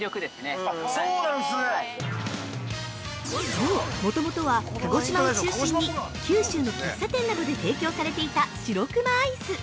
◆そう、もともとは鹿児島を中心に九州の喫茶店などで提供されていた白くまアイス。